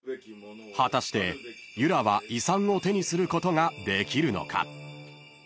［果たしてゆらは遺産を手にすることができるのか？］